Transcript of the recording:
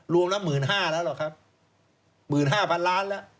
รวมแล้ว๑๕๐๐๐ล้านแล้วครับ